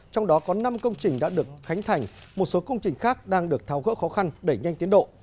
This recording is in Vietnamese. trong đó có năm công trình đã được khánh thành một số công trình khác đang được tháo gỡ khó khăn đẩy nhanh tiến độ